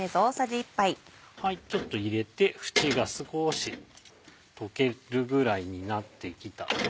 ちょっと入れて縁が少し溶けるぐらいになってきた。